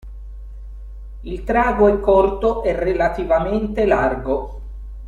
Il trago è corto e relativamente largo.